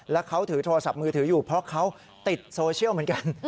แล้วเขาถือโทรศัพท์มือถืออยู่เพราะเขาติดโซเชียลเหมือนกัน